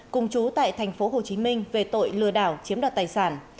cùng chú tại tp hcm về tội lừa đảo chiếm đoạt tài sản